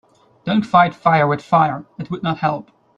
Don‘t fight fire with fire, it would not help.